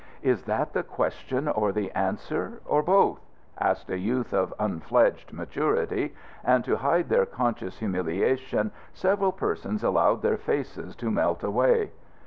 "Is that the question, or the answer, or both?" asked a youth of unfledged maturity, and to hide their conscious humiliation several persons allowed their faces to melt away.